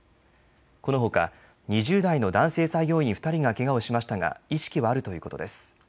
このほか２０代の男性作業員２人がけがをしましたが意識はあるということです。